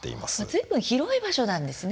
ずいぶん広い場所なんですね。